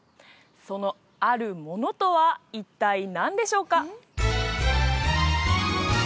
そのあるものとは一体何でしょうか？